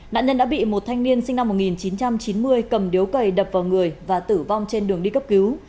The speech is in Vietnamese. nạn nhân đã bị một thanh niên sinh năm một nghìn chín trăm chín mươi cầm điếu cày đập vào người và tử vong trên đường đi cấp cứu